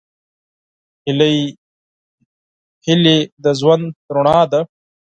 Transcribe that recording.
هیلې د ژوند رڼا ده.